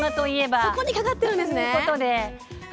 そこにかかっていたんですね。